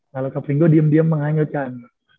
kalo kak pringo diem diem menghangutkan